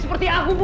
seperti aku bu